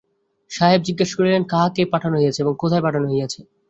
সাহেব জিজ্ঞাসা করিলেন, কাহাকে পাঠানো হইয়াছে এবং কোথায় পাঠানো হইয়াছে।